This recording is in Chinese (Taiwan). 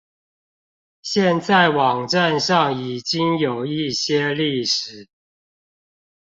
現在網站上已經有一些歷史